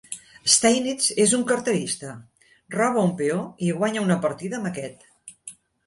Steinitz és un carterista, roba un peó i guanya una partida amb aquest.